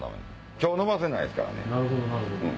今日のばせないですからね。